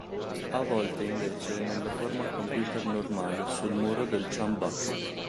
A volte invece è nella forma computer normale, sul muro del Chum Bucket.